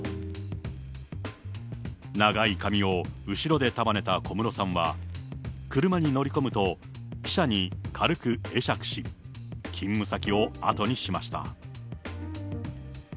長い髪を後ろで束ねた小室さんは、車に乗り込むと、記者に軽く会釈し、勤務先を後にしました。